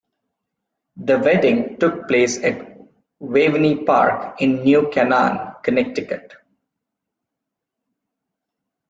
The wedding took place at Waveny Park in New Canaan, Connecticut.